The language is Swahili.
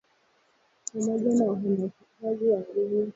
pamoja na uhamasishaji wa nguvu aliandika kwenye Twita siku ya Alhamisi